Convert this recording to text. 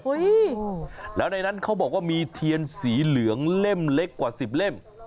แล้วในนั้นเขาบอกว่ามีเทียนสีเหลืองเล่มเล็กกว่าสิบเล่ม